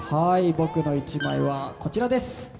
僕の１枚はこちらです！